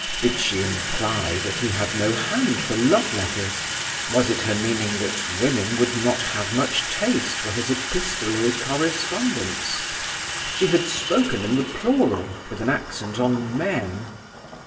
Did she imply that he had no hand for love letters? Was it her meaning that women would not have much taste for his epistolary correspondence? She had spoken in the plural, with an accent on "men".